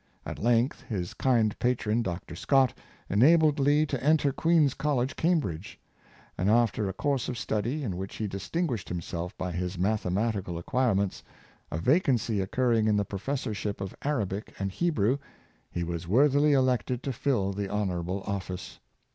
At length his kind patron. Dr. Scott, enabled Lee to enter Queen's Col lege, Cambridge ; and after a course of study, in which he distinguished himself by his mathematical acquire ments, a vacancy occurring in the professorship of Arabic and Hebrew, he was worthily elected to fill the honorable office.